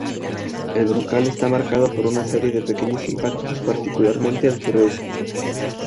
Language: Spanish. El brocal está marcado por una serie de pequeños impactos, particularmente al suroeste.